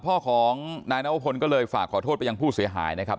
พ่อของนายนวพลก็เลยฝากขอโทษไปยังผู้เสียหายนะครับ